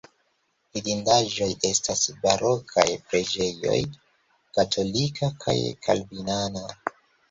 Vidindaĵoj estas barokaj preĝejoj katolika kaj kalvinana.